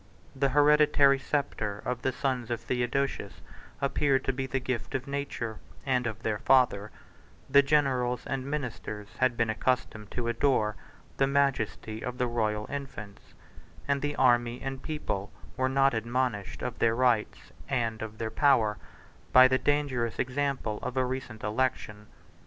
The hereditary sceptre of the sons of Theodosius appeared to be the gift of nature, and of their father; the generals and ministers had been accustomed to adore the majesty of the royal infants; and the army and people were not admonished of their rights, and of their power, by the dangerous example of a recent election.